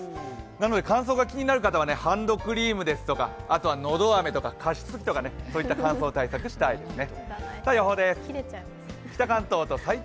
なので乾燥が気になる方はハンドクリームですとか、喉あめとか加湿器とかそういった乾燥対策したいですね。